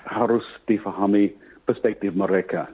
harus difahami perspektif mereka